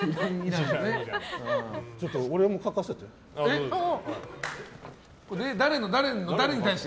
ちょっと俺も書かせて。